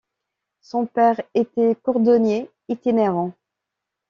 Son père était cordonnier itinérant.